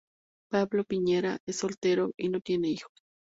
Pablo Piñera es soltero y no tiene hijos.